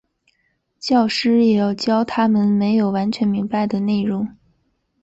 教师也要教他们没有完全明白的内容。